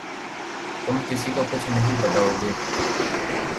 تم کسی کو کچھ نہیں بتاؤ گے